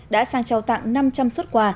đã sang trao tặng năm trăm linh suất quà